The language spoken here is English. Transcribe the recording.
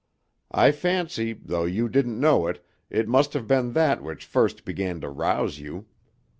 I fancy, though you didn't know it, it must have been that which first began to rouse you.